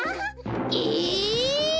え！？